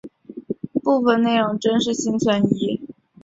部分内容真实性存疑。